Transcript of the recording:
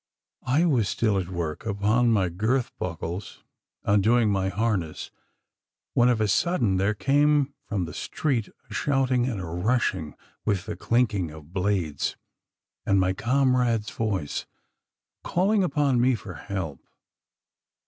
I was still at work upon my girth buckles, undoing my harness, when of a sudden there came from the street a shouting and a rushing, with the clinking of blades, and my comrade's voice calling upon me for help.